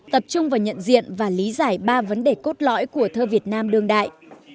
tập trung vào nhận diện và lý giải ba vấn đề cốt lõi của thơ việt nam đương đại